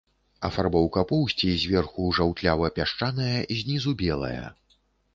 Афарбоўка поўсці зверху жаўтлява-пясчаная, знізу белая.